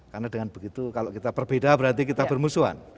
karena dengan begitu kalau kita berbeda berarti kita bermusuhan